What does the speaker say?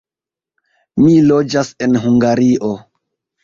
Mi loĝas en Hungario.